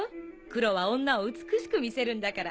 黒は女を美しく見せるんだから。